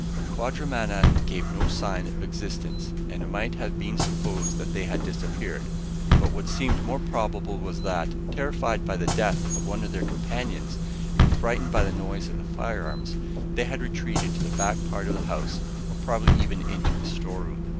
The quadrumana gave no sign of existence, and it might have been supposed that they had disappeared; but what seemed more probable was that, terrified by the death of one of their companions, and frightened by the noise of the firearms, they had retreated to the back part of the house or probably even into the storeroom.